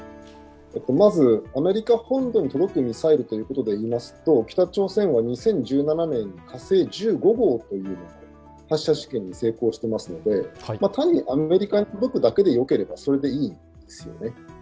まずアメリカ本土に届くミサイルということでいいますと、北朝鮮は２０１７年に火星１５号の発射実験に成功していますのでアメリカに届くだけでよければそれでいいんですよね。